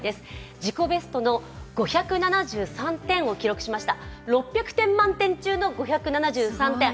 自己ベストの５７３点を出しました。